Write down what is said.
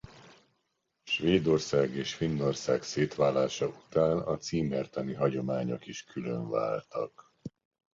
Svédország és Finnország szétválása után a címertani hagyományok is különváltak.